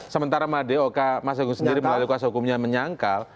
sementara madeoka mas agung sendiri melalui kuasa hukumnya menyangkal